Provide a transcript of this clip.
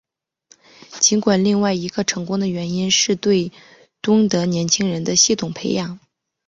尽管另外一个成功的原因是对东德年轻人的系统培养。